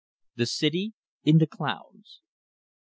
THE CITY IN THE CLOUDS.